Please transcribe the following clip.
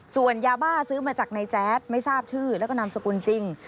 ส่วนยาบ้าซื้อมาจากนายแจ๊ดไม่ทราบชื่อแล้วก็นามสกุลจริง